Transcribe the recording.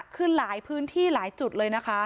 คือหลายพื้นที่หลายจุดเลยนะคะ